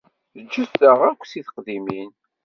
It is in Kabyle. Ǧǧet-aɣ akk si teqdimin.